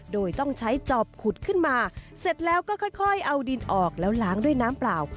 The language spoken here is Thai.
โดยต้องใช้จอบขุดขึ้นมาเสร็จแล้วก็ค่อยเอาดินออกแล้วล้างด้วยน้ำเปล่า